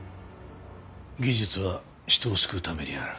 「技術は人を救うためにある」。